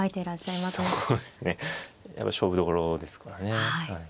やっぱ勝負どころですからね。